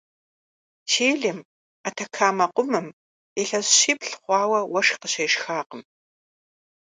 Чилим, Атакамэ къумым, илъэс щиплӏ хъуауэ уэшх къыщешхакъым.